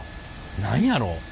何やろ？